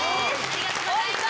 ありがとうございます！